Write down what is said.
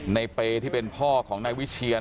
เปย์ที่เป็นพ่อของนายวิเชียน